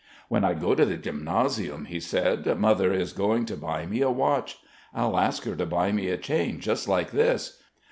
"When I go to the gymnasium," he said, "Mother is going to buy me a watch. I'll ask her to buy me a chain just like this.